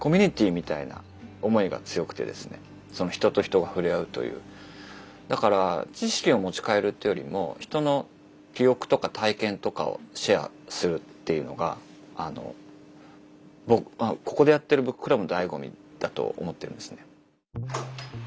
読書会を主宰しているだから知識を持ち帰るというよりも人の記憶とか体験とかをシェアするっていうのがここでやってるブッククラブの醍醐味だと思ってるんですね。